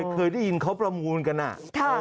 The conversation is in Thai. เคยได้ยินเขาประมูลกันอะ